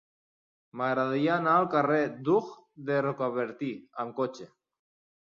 M'agradaria anar al carrer d'Hug de Rocabertí amb cotxe.